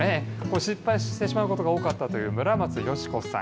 失敗してしまうことが多かったという村松佳子さん。